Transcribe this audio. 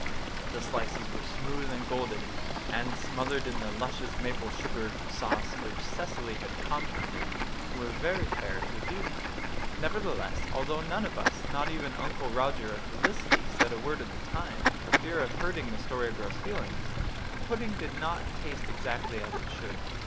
The slices were smooth and golden; and, smothered in the luscious maple sugar sauce which Cecily had compounded, were very fair to view. Nevertheless, although none of us, not even Uncle Roger or Felicity, said a word at the time, for fear of hurting the Story Girl's feelings, the pudding did not taste exactly as it should.